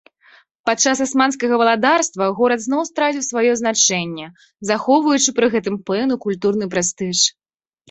Падчас асманскага валадарства, горад зноў страціў сваё значэнне, захоўваючы пры гэтым пэўны культурны прэстыж.